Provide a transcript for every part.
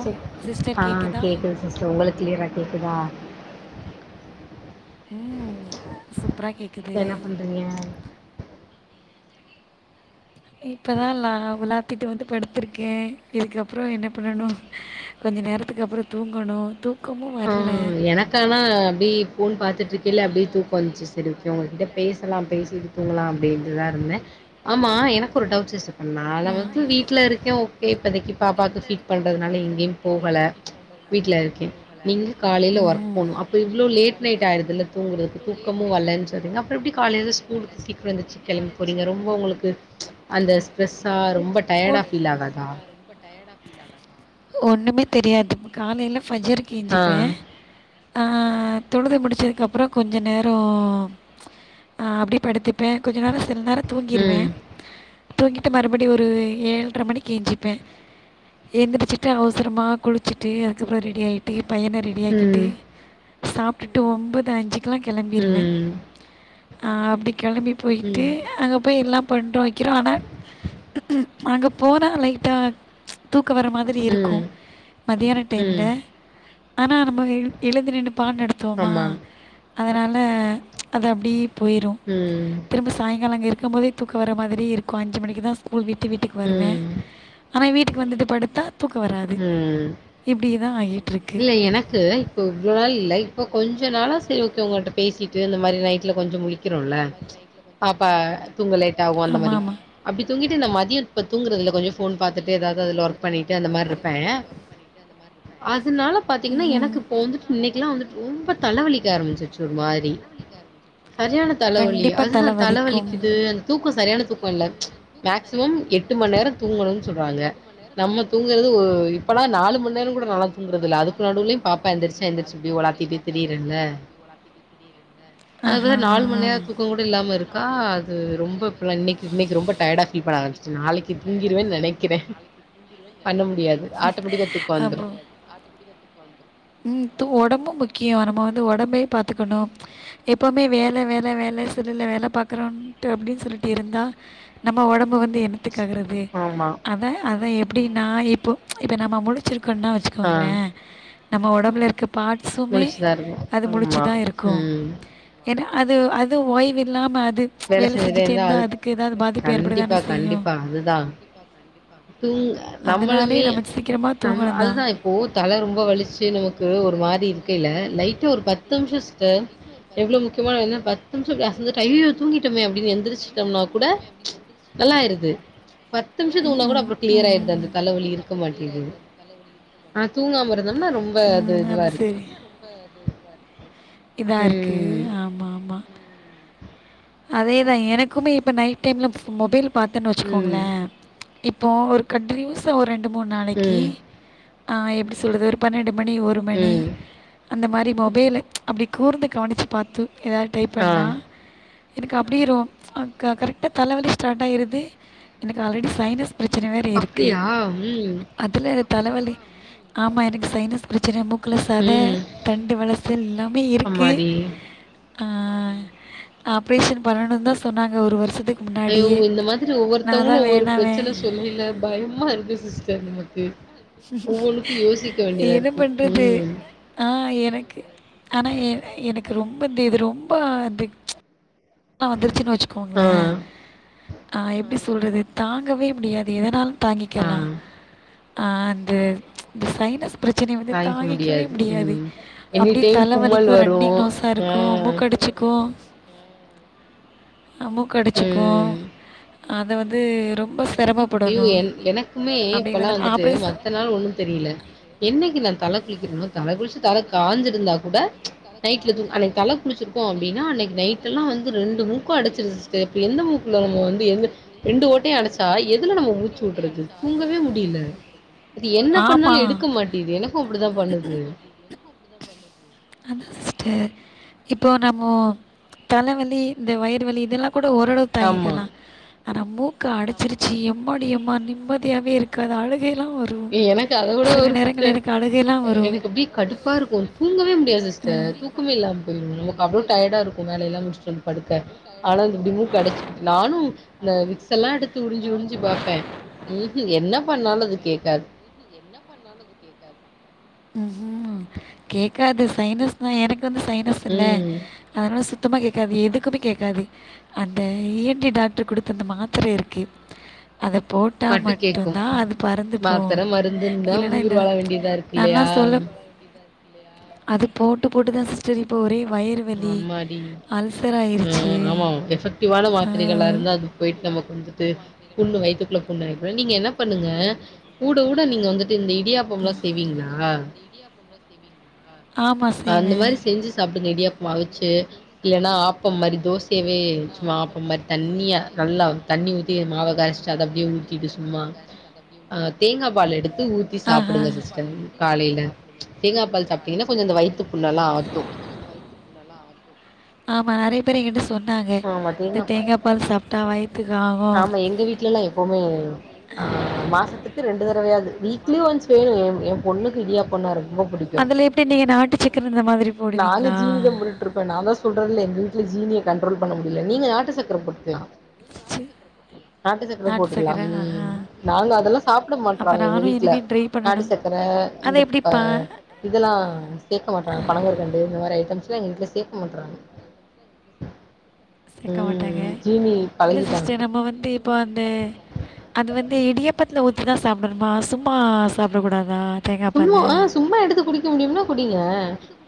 Sis ஆ கேக்குது sister உங்களுக்கு கிளியரா கேக்குதா ம் சூப்பரா கேட்குது தனியா இப்பதா நா உலாத்திட்டு வந்து படுத்திருக்கே இதுக்கப்புறோ என்ன பண்ணணு கொஞ்சோ நேரத்துக்கு அப்பறோ தூங்கணு தூ ஆ எனக்கு ஆனா அப்டி ஃபோன் பாத்துட்டு இருக்கையில அப்டியே தூக்க வந்துச்சு சரி முக்கியமா உங்ககிட்ட பேசலா பேசிட்டு தூங்கலா அப்டின்னு தா இருந்தே ஆமா எனக்கு ஒரு டவுட் சிஸ்டர் நா எல்லா வந்து வீட்டுல இருக்கே ஓகே இப்போதைக்கு பாப்பாவுக்கு ஃபீட் பண்றதுனால எங்கெயு போகல வீட்ல இருக்கே நீங் க காலையில ஒர்க் போனு அப்ப இவ்ளோ லேட் நைட் ஆயிருதுல தூங்குறதுக்கு தூக்கமு வல்லனு சொல்றீங்க அப்புறோ எப்டி காலையில ஸ்கூலுக்கு சீக்கிரோ எந்திருச்சு கெளம்பி போறீங்க ரொம்ப உங்களுக்கு அந்த ஸ்ட்ரெஸ்ஸா ரொம்ப டயர்டா ஃபீல் ஆகாதா ஒண்ணுமே தெரியாது காலையில ஃபயரு கெஞ்சிப்பே அ தொழுது முடிச்சதுக்கப்புற கொஞ்சோ நேரோ ஆ அப்டி படுத்துப்பே கொஞ்ச நேரோ சில நேரோ தூங்கிருவே தூங்கிட்டு மறுபடி ஒரு ஏழரை மணிக்கு எஞ்சிப்பே எழுந்திரிச்சிட்டு அவசரமா குளிச்சிட்டு அதுக்கப்புறோ ரெடி ஆயிட்டு பையனை ரெ டியாக்கிட்டு சாப்பிட்டுட்டு ஒம்போது அஞ்சுக்கெல்லா கெளம்பிருவே ஆ அப்டி கெளம்பி போயிட்டு அங்க போய் எல்லா பண்றோ வெக்கிறோ ஆனா அங்க போனா லைட்டா தூக்க வர மா திரி இருக்கு மதியான டைம்ல ஆனா நம்ம எ எழுந்து நின்னு பாட நட போமா அதனால அது அப்டியே போயிரு ம் திரும்ப சாயங்கால அங்க இருக்கம் போதே தூக்க வர மாதிரி இருக்கு அஞ்சு மணிக்கு தா ஸ்கூல் விட்டு வீட்டுக்கு வருவே ஆனா வீட்டுக்கு வந்துட்டு படுத்தா தூக்க வராது இப்டிதா ஆகிட் இல்ல எனக்கு இப்ப இவ்ளோ நாள் இல்ல இப்ப கொஞ்ச நாளா சரி ஓகே உங்களிட்ட பேசிட்டு இந்த மாரி நைட்ல கொஞ்சோ முழிக்கிறோல பாப்பா தூங்க லே டாகு அந்த மாரி அப்டி தூங்கிட்டு இந்த மதிய இப்ப தூங்கறதுல்ல கொஞ்சோ ஃபோன் பாத்தட்டே ஏதாவது அதுல ஓர் க் பண்ணிட்டு அந்த மாரி இருப்பே அதுனால பாத்தீங்கன்னா எனக்கு இப்போ வந்து இன்னைக்குலா வந்துட்டு ரொம்ப தலவலிக்க ஆரம்பிச்சிருச்சு ஒரு மாதிரி சரியான தலவலி அதுதா தலவலிக்குது தூக்க சரியான தூக்கயில்ல மேக்சிமம் எட்டு மண் நேர தூங்கணும்னு சொல்றாங்க நம்ம தூங்குறது ஓ இப்பல்லா நாலு மண்நேரங்கூட நாலா தூங்கறது இல்ல அதுக்குநடுவுலேயு பாப்பா எந்திரச்சு எழுந்திரச்சுப்படி ஒளாத்திட்டே திரியறேல அதா நால் மணேர தூக்க கூட ல்லாம இருக்கா அது ரொம்ப ப்ரம் இன்னைக்கு இன்னைக்கு ரொம்ப டயர்டா பீல் பண்ண ஆரம்பிச்சிட்டே நாளைக்கு தூங்கிடுவேன் நெனைக்கிறே பண்ண முடியாது ஆட்டோமெட்டிக்கா தூக்க வந்துரு [unintelligible] ம் து ஒடம்பு முக்கியம் நம்ம வந்து ஒடம்பையு பாத்துக்கணு எப்பவுமே வேல வேல வேல செல்லுல வேல பாக்குறோன்ட்டு அப்டின் சொல்லிட்டு இருந்தா நம்ப ஒடம்பு வந்து என்னத்துக்காகுறது அத அத எப்டி நா இப்போ இப்போ நம்ம முழிச்சிருக்கோன்னா வச்சுக்கோங்களே நம்ம ஒடம்புல இருக்க பாட்ஸுமே அது முழிச்சுதா இருக்கு ஏனா அது அது ஓய்வு இல்லாம அது வேல செஞ்சுட்டே இருந்தா அதுக்கு எதாவது பாதிப்பு ஏற்பட தானே செய்யு தூங்க நம்மளுமே நம் அதுதா போ தல ரொம்ப வலிச்சு நமக்கு ஒரு மாரி இருக்கைல லைட்டா ஒரு பத்து நிம்ஷஸ்ட்டு எவ்ளோ முக்கியமான பத்து நிம்ஷோ அசந்துட்டு ஐயோ தூங்கிட்டமே அப்டின்னு எந்திரிச்சிட்டம்னா குட ஷ்டமா கூட டுத்துதூங்குனா கூட அப்றோ கிளியர் ஆயிருது அந்த தலவலி இருக்க மாட்டீது ஆனா தூங்காம இருந்தம்னா ரொம் ப அது இதுவா இருக்கு இதா இருக்கு ஆமா ஆமா அதேதா எனக்குமே இப்ப நைட் டைம்ல மொபைல் பாத்தன்னு வெச்சுக்கோங்களே இப்போ ஒரு கண்டினியூஸா ஒ ரெண்டு மூணு நாளைக்கு ஆஹ் எப்டி சொல்றது ஒரு பன்னெண்டு மணி ஒரு மணி அந்த மாரி மொபைலு அப்டி கூர்ந்து கவனிச்சு பாத்து எதாவது டைப் பண்ணா எனக்கு அப்டி ரோ அ க கரக்டா தலவலி ஸ்டார்ட் ஆயிருது எனக்கு ஆல்ரெடி சைனஸ் ப்ரெச்சன வேற இருக்கு அதுல தலவலி ஆமா எனக்கு சைனஸ் ப்ரெச்சன மூக்குல சத தண்டு வளசல் எல்லாமே இருக்கு ஆ ஆப்ரேஷன் பண்ணணுந்தா சொன்னாங்க ஒரு வருஷத்துக் ஐயோ இந்த மாதிரி ஒவ்வொருத்தவங்களு ஒவ்வொரு பிரச்சின சொல்லைல பயமா இருக்கு சிஸ்டர் நமக்கு. ஒவ்வொன்னுக்கு யோசிக்க வேண்டிதா இருக்கு ம். ஆ எனக்கு ஆனா எ எனக்கு ரொம்ப இந்த இது ரொம்ப அந்து தா வந்துருச்சுன் வெச்சுக்கோங்ளே ஆ எப்டி சொல்றது தாங்கவே முடியாது எதுனால தாங்கிக்கலா ஆ அந்து இந்த சைனஸ் பிரச்சினய வந்து தாங்கிக்கவே முடியாது அப்டியே தல வலிக்கு ரன்னிங் நோஸாருக்கு மூக்கட ச்சிக்கு. ஆ மூக்கடச்சிக்கு அத வந்து ரொம்ப ஸ் ஐயோ என் எனக்குமே இப்பல்லா வந்துட்டு மத்த நாள் ஒன்னு தெரில. என்னக்கி நா தல குளிக்றனோ தல குளிச்சு தல காஞ்சிருந்தா கூட நைட்லது அன்னிக் தல குளிச்சிருக்கோ அப்டினா அன்னிக் நைட் எல்லா வந்து ரெண்டு மூக்கு அடைச்சிருச் க்கு இப்ப எந்த மூக்குல நம்ம வந்து எந்த ரெண்டு ஓட்டயு அடச்சா எ துல நம்ம மூச்சுட்றது தூங்கவே முடில. அது என்ன பண்ணாலு எடுக்க மாட்டிது எனக்கு அப்டிதா பண்ணுது. அதா சிஸ்டர். இப்போ நம்மோ தலவலி இந்த வயிறு வலி இதெல்லா கூட ஓரளவு தாங்கிக்கலா. ஆனா மூக்கு அடச்சிருச்சி எம்மாடி எம்மா நிம்மதியாவவே இருக்காது அழுகேலா வரு எனக்கு அதோட ஒரு சே எனக்கு அப்டீ கடுப்பா இருக்கு தூங்கவே முடியாது சிஸ்டர் தூக்கமே இல்லாம போய்ரு நமக்கு அவ்ளோ டயடா இருக் கு வேலேல்லா முடுஸ்ட்டு வந்து படுக்க ஆனா இந்த இப்டி மூக்கு அடச்சுகிட்டு நானு இந்த விக்ஸ்ஸெல்லா எடுத் து உரிஞ்சி உரிஞ்சி பாப்பே உஹூம் என்ன பண்ணாலு அது கேக்காது உஹூம் என்ன பண்ணாலு அது கேக்காது ம்ஹூ கேக்காது சைனஸ்தா எனக்கு வந்து சைனஸ் இல்ல அதுனால சு சுத்தமா கேக்காது எதுக்குமே கேக்காது அந்த இ என் டி டாக்டரு குடுத்த அந்த மாத்தர இருக்கு அத போட்டா மட்டுந்தா அது பறந்துபோகு இல்லன்னா இல்ல நான்லா சொல்ல அது போட்டு போட்டுதா சிஸ்டர் இப்ப ஒரே வயிறு ஆமாடி ம் ஆமா எஃபக்டிவான மாத்திரைங்களா இருந்தா அது போய்ட்டு நமக்கு வந்துட்டு புண்ணு வயித்துக்குள்ள புண் [unintelligible] நீங்க என்னா பண்ணுங்க ஊட ஊட நீங்க வந்துட்டு இந்த இடியாப்பம்ல்லா செய்வீங்ளா இடியாப்பம்லா செய்வீங்லா அந்த மாரி செஞ்சு சாப்டுங்க இடியாப்பம் அவுச்சு இல்லன்னா ஆப்பம் மாரி தோசையவே சும்மா ஆப்பம் மாரி தண்ணியா நல்லா தண்ணி ஊத்தி அந்த மாவ கரஸ்ட்டு அத அப்டியே ஊத்திட்டு சும்மா ஆ தேங்கா பால் எடுத்து ஊத் தி சாப்டுங்க சிஸ்டர் காலேல தேங்கா பால் சாப்ட்டீங்ன்னா கொஞ்சம் அந்த வய்த்து புண்ணல்லா ஆத்து ஆமா நெறைய பேர் எங்கிட்ட சொன்னாங்க இந்த தேங்கா பால் சாப்ட்டா வய்த்துக்கு ஆகு எங்க வீட்லல்லா எ ப்போமே ஆ மாசத்துக்கு ரெண்டு தடவையாது வீக்லி ஒன்ஸ் வேணு எ எ பொண்ணுக்கு இடியாப்பொன்னா ரொம்ப புடிக் அதுல எப்டி நீங்க நாட்டு சக்கர இந்த மாதிரி போடுவீங்ளா ருப்பே நா தா சொல்றேன்ல எங்க வீட்ல ஜீனிய கண்ட்ரோல் பண்ண முடில நீங்க நாட்டு சக்கர போட்டுக்கலா [inaudible] நாட்டு சக்கர போட்டுக்கலா ம் நாங்க அதல்லா சாப்ட மாட்றாங்க எங்க வீட்ல நாட்டு சக்கர இந்த ப இதல்லா சேக்க மாட்றாங்க பணங்கற்கண்டு இந்த மாரி ஐட்டம்ஸ்லா எங்க வீட்ல சேக்க மாட்றாங்க சேக்க மாட்டாங்க இல்ல சிஸ்டர் நம்ம வந்து இப்ப வந்து அது வந்து இடியாப்பத்துல ஊத்தி தா சாப்டனுமா சும்மா சாப்டகூடாதா சும்மா ஆ சும்மா எடுத்து குடிக்க முடியும்னா குடிங்க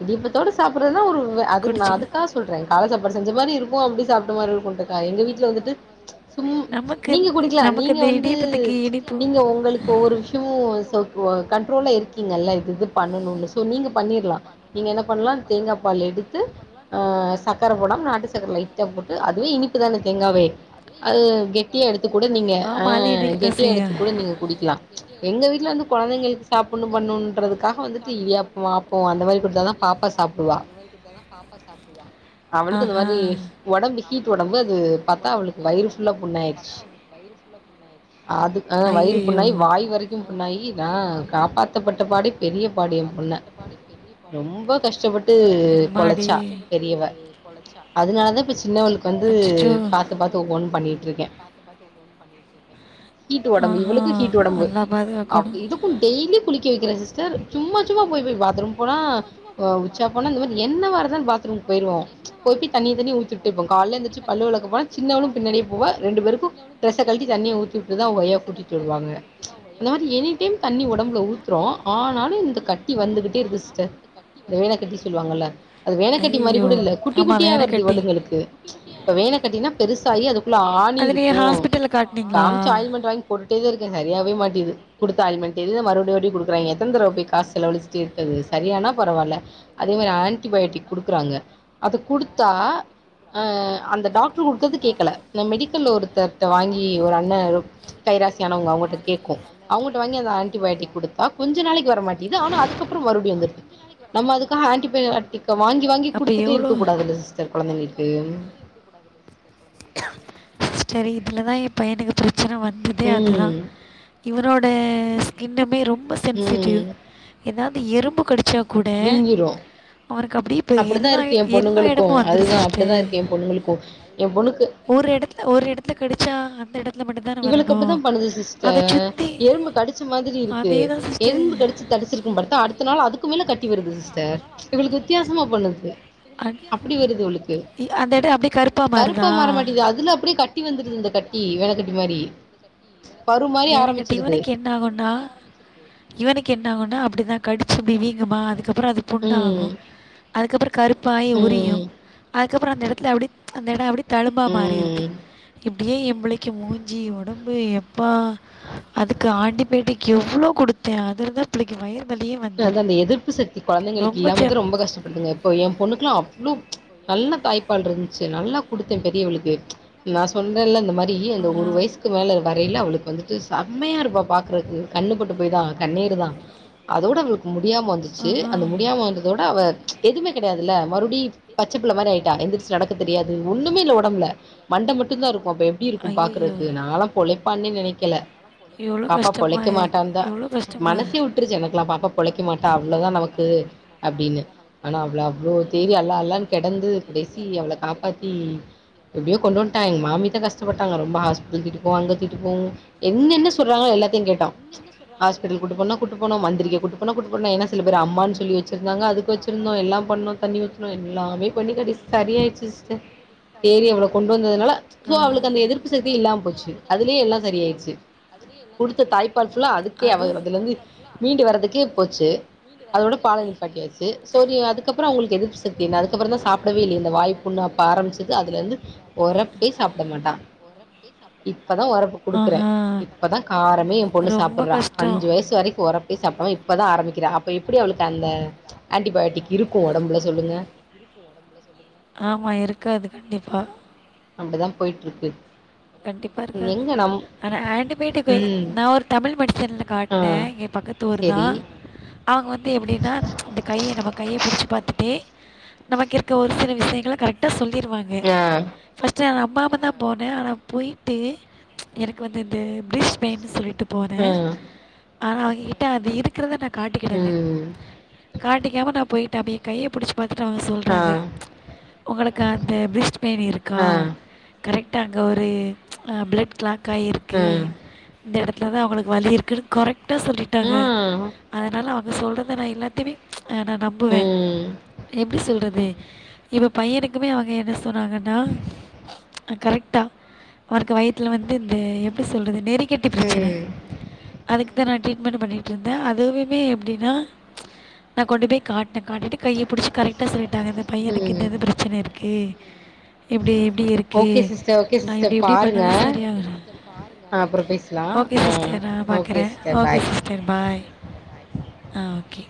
இடியாப்பத்தோட சாப்பற்றதுனா ஒரு வே அதுக்கு நா அதுக்காக சொல்றே கால சாப்பாடு செஞ்ச மாரியு இருக்கு அப்டி சாப்ட்ட மாரியு இருக்குன்றகாக எங்க வீட்ல வந்துட்டு சும் நீங்க குடிக்கலா நீங்க வந்து நீங்க ஒங்களுக் இப்ப ஒரு ஷூ சவ்க் வ கண்ட்ரோலா இருக்கீங்கல்ல இது இது பண்ணணுனு ஸோ நீங்க பண்ணீற்லா நீங்க என்ன பண்லா தேங்கா பால் எடுத்து தேங்கா பால் எடுத்து ஆ சக்கர போடாம நாட்டு சக்கரய [unintelligible] அது கெ கெட்டியா எடுத்து கூட நீங்க ஆ கெட்டியா எடுத்து கூட நீங்க குடிக்லா எங்க வீட்ல வந்து கொழந்தகளுக்கு சாப்பன்னு பண்ணணுன்றதுக்காக வந்துட்டு இடியாப்போ ஆப்போ அந்த மாரி குடுத்தாதா பாப்பா சாப்டுவா ஆஹ ஒடம்பு ஹீட் ஒடம்பு அது பாத்தா அவளுக்கு வயிறு ஃபுல்லா புண்ணாய்ருச்சு அது அ வயிறு புண்ணாயி வாய் வரைக் கு புண்ணாகி நா காப்பாத்தப்பட்ட பாடு பெரிய பாடு எ பொண்ண ரொம்ப கஷ்டப்பட்டு பொழச்சா பெரியவ அதுனாலதா இப்ப சின்னவளுக்கு வந்து பாத்து பாத்து ஒவ்வொன்னு பண்ணிட்ருக்கே [unintelligible] ஹீட்டு ஒடம்பு இவளுக்கு ஹீட்டு ஒடம்பு அ இது டெய்லி குளிக்க வைக்கிறே சிஸ்டர் சும்மா சும்மா போய் போய் பாத்ரூம் போனா உச்சாபோனா இந்த மாரி என்ன வரதான் பாத்ரூம்க்கு போய்ருவோ போய்ட்டு தண்ணிய தண்ணிய ஊத்தி திப்போ காலேல எந்துருச்சு பல்லு விலக்க போனா சின்னவளு பின்னாடியே போவா ரெண்டு பேருக்கு டிரஸ்ஸ கழட்டி தண்ணிய ஊத்தி வுட்டுதா அவுங்க ஐயா கூட்டி தண்ணி ஊத்திவிட்டுதா [unintelligible] டைம் தண்ணி உடம்புல ஊத்துறோ ஆனாலு இந்த கட்டி வந்துகிட்டே இருக்கு சிஸ்டர் இந்த வேனக்கட்டி சொல்லுவாங்கல்ல அது வேனக்கட்டி மாதிரி கூட இல்ல குட்டி குட்டியா வருது இவளுங்களுக்கு இப்ப வேண கட்டீனா பெருசாகி அதுக்குள்ள ஆணி இருக்கும் காமிச்சு ஆயில்மண்ட் வாங்கி போட்டே தா இருக்க சரியாகவே மாட்டிது கொடுத்த ஆயில்மன்ட் தெரிது மறுபடி மறுபடி கொடுக்குறாங்க எத்தன தடவ போய் காசு செலவழச்சட்டு இருக்குறது சரியானா பரவால்ல அதே மாதிரி ஆன்டிபயோட்டிக் கொடுக்குறாங்க அது கொடுத்தா அ அந்த டாக் ட்ரு கொடுத்தது கேட்கல இந்த மெடிக்கல் ஒருத்தர் ட்ட வாங்கி ஒரு அண்ணன் கைராசியானவங்க அவங்க கேக்கும் அவங்கிட்ட வாங்கி அந்த அ ன்டிபயோட்டிக் கொடுத்தா கொஞ்ச நாளைக்கு வர மாட்டியது ஆனா அதுக்கப்புறம் மறுபடி வந்துருது நம்ம அதுக்க ஆன்டிபயோட்டிக்க வாங்கி வாங்கி குடுத்துட்டே இருக்க கூடாதுல்ல சிஸ்டர் கொழந்தைங்களுக்கு சிஸ்டர் இதுலதா என் பையனுக்கு பிரச்சனை வந்ததே அதுதா இவனோட ஸ்கின்னுமே ரொம்ப சென்சிட்டிவ் ஏதாவது எறும்பு கடிச்சா வீங்கிரும் அப்படித்தான் இருக்கு என் பொண்ணுங்களுக்கும் அதுதான் அப்படித்தான் இருக்கு பொண்ணுங்களுக்கும் என் பொண்ணுக்கு ஒரு எடத்துல ஒரு எடத்துல கடிச்சா அந்த எடத் இவளுக்கு அப்படிதான் பண்ணுது சிஸ்டர் எறும்பு கடிச்ச மாதிரி இருக்கு எறும்பு கடிச்சு கடிச்சிருக்கும் பாத்தா அடுத்த நாள் அதுக்கு மேல கட்டி வருது சிஸ்டர் இவளுக்கு வித்தியாசமா பண்ணுது அப்படி வருது இவளுக்கு கருப்பா மாரமாட்டிது அதுல அப்படி க கட்டி வந்துருது இந்த கட்டி வெனக்கட்டி மாதிரி வேற கட்டி இவனுக்கு என் ன ஆகும்னா இவனுக்கு என்ன ஆகும்னா அப்படிதா கடிச்சு இப்படி வீங்குமா அதுக்கு அப்புறோ அது புண்ணாகும் அதுக்கப்புறோ கருப்பாகி உரியும் அதுக்கப்புறோ அந்த எடத்துல அப்படி அந்த எடம் அப்படியே தழும்பா மாறிடுது இப்படியே எம்பிள்ளைக்கு மூஞ்சி ஒடம்பு அப்பா அதுக்கு ஆன்டிபயோட்டிக் எவ்வளோ கொடுத்தே அதுல தா பிள்ளைக்கு வயிறு வலியே வந் அதா இந்த எதிர்ப்பு சக்தி குழந்தைகளுக்கு இல்லாமா தா ரொம்ப கஷ்டபடுதுங்க இப்போ எம் பொண்ணுக்கு எல்லா அவ்ளோ நல்ல தாய்ப்பால் இருந்துச்சு நல்லா கொடுத்தே பெரியவளுக்கு நா சொன்னல்ல இந்த மாதிரி அந்த ஒரு வயசுக்கு மேல வரையில அவளுக்கு வந்துட்டு செம்மையா இருப்பா பாக்கறதுக்கு கண்ணு பட்டு போய் தா கண்ணீர் தா அதோட அவளுக்கு முடியாம வந்துச்சு அந்த முடியாம வந்ததோட அவ எதுமே கிடையாதுல்ல மறுபடி பச்சபிள்ள மாதிரி ஆயிட்டா எந்திரிச்சு நடக்க தெரியாது ஒண்ணுமே இல்ல ஒடம்புல மண்ட மட்டும்தா இருக்கு அப்ப எப்பக்ஷடி இருக்கும் பாக்குறது நானாலா பொழைப்பான்னே நனைக்கல பாப்பா பொழைக்க மாட்டான்தா மனசே விட்டுருச்சு எனக் குலா பாப்பா பொழைக்க மாட்டா அவ்வளோதா நமக்கு அப்படின்னு ஆனா அவள அவ்வளோ தேறி அல்லா அல்லான்னு கிடந்து கடைசி அவள காப்பாத்தி எப்படியோ கொண்டு வந்துட்டாங்க எங்க மாமித்தா கஷ்டப்பட்டாங்க ரொம்ப ஹாஸ்பிட்டல் தூக்கிட்டு போவும் அங்க தூக்கிட்டு போவும் என்ன என்ன சொல்றாங்க அது எல்லத்தையு கேட்டோ ஹாஸ்பிட்டல் கூட்டு போன கூட்டு போனோ மந்திரி கூட்டு போன ஏன்னா சில பேரு அம்மான்னு சொல்லி வச்சு வச்சிருந்தாங்க அதுக்கு வச்சிருந்தோம் எல்லாம் பண்ணணும் தண்ணி ஊத்தணும் எல்லாமே பண்ணி கடைசில சரி ஆயிடுச்சு சிஸ்டர் தேறி அவள கொண்டு வந்ததுனால சோ அவளுக்கு அந்த எதிர்ப்பு சக்தி இல்லாம போச்சு அதுலயே எல்லாம் சரியா ஆயிடுச்சு கொடுத்த தாய்ப்பால் ஃபுல்லா அதுக்கே அவ அதுல இருந்து மீண்டு வர்றதுக்கே போச்சு அதோட பால நிப்பாட்டியாச்சு சோரி அதுக்கப்புற அவுங்களுக்கு எதிர்புசக்தி இல்ல அதுக்கப்புற தா சாப்பிடவே இல்லயே இந்த வாய்ப்புண்ணு அப்ப ஆரம்பிச்சது அதுல இருந்து ஒரப்பே சாப்ட மாட்டா இப்பதா ஒரப்பு கொடுக்குறே இப்பதா காரமே எய பொண்ணு சாப்பிடுறா அஞ்சு வயசு வரைக்கும் ஒரப் பே சாப்ட்டாம இப்பதா ஆரம்பிக்கிறா அப்ப எப்படி அவளுக்கு அந்த ஆன்டிபயோட்டிக் இருக்கும் ஒடம்புல சொல்லுங்க இருக்கும் உடம்புல சொல்லுங்க ஆமா இருக்காது கண்டிப்பா அப்படிதா போயிட்ருக்கு கண்டிப்பா இருக்காது ஆனா ஆன்டிபயோட்டிக் நா ஒரு தமிழ் மெடிசன்ல காட்னே இங்க பக்கத்து ஊர் தா அங்க வந்து எப்டின்னா இந்த கைய நம்ம கைய புடிச்சி பாத்துட்டே நமக்கு இருக்க ஒரு சில விஷயங்கள கரெக்டாக சொல்லிருவாங்க ஃபஸ்ட்டு நா நம்பாமதா தா போனே ஆனா போய்ட்டு எனக்கு வந்து இந்த பிரிஸ்ட் பெயின்னு சொல்லிட்டு போனே ஆனா அவங்ககிட்ட அது இருக்கிறத நா காட்டிக்கிடல காட்டிக்காம நா போயிட்ட அப்ப ஏ கைய புடிச்சு பாத்துட்டு அவங்க சொல்றாங்க உங்களுக்கு அந்த பிரிஸ்ட் பெய்ன் இருக்கா கரெக்டா அங்க ஒரு அ பிளட் கிளாக் ஆகிருக்கு இந்த எடத்துல தா அவங்களுக்கு வழி இருக்குன்னு கரெக்டா சொல்லிட்டாங்க அதனால அவங்க சொல்றத நா எல்லாத்தையுமே அ நா நம்புவ எப்டி சொல்றது இப்ப பையனுக்குமே அவங்க என்ன சொன்னாங்கன்னா அ கரெக்டா அவனுக்கு வயித்துல வந்து இந்த எப்டி சொல்றது நெறிக்கட்டி பிரச்சன அதுக்கு தா நா ட்ரீட்மெண்ட் பண்ணிகிட்டு இருந்த அதுவுமே எப்டின்னா நா கொண்டு போய் காட்டுன்ன காட்டிட்டு கைய புடிச்சி கரெக்டாக சொல்லிட்டாங்க இந்த பையனுக்கு இந்த இது பிரச்சன இருக்கு இப்டி இப்டி இருக்கு ஓகே சிஸ் இப்டி எஇப்டி பண்ணாலு செரியாயிரு ஓகே சிஸ்டர் நா பாக்குறே okay sister bye uh okay